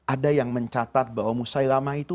ada yang mencatat bahwa musailama itu